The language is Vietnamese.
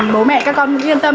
bố mẹ các con cũng yên tâm